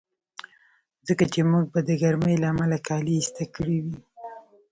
ځکه چې موږ به د ګرمۍ له امله کالي ایسته کړي وي.